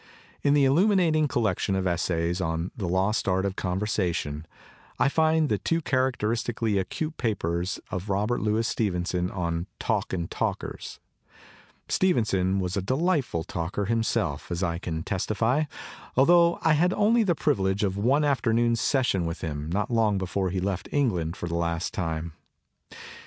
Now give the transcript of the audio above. In the illuminating collection of essays on the 'Lost Art of Conversation' I find the two characteristically acute papers of Robert Louis Stevenson on 'Talk and Talkers/ Stevenson was a delightful talker himself, as I can testify, altho I had only the privilege of one afternoon session with him, not long before he left England for the last time.